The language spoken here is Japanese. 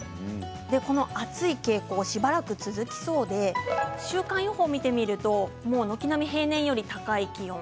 この暑い傾向しばらく続きそうで週間予報を見てみると軒並み平年より高い気温。